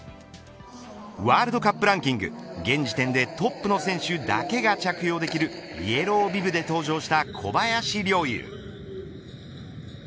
ワールドカップランキング現時点でトップの選手だけが着用できるイエロービブで登場した小林陵侑。